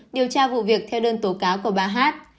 điều tra vụ việc theo đơn tố cáo của bà hát